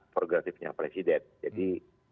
progresifnya presiden jadi